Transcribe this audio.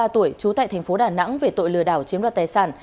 ba mươi ba tuổi trú tại tp đà nẵng về tội lừa đảo chiếm đoạt tài sản